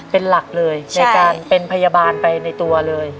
เป็นหลักเลยในการเป็นพยาบาลไปในตัวเลย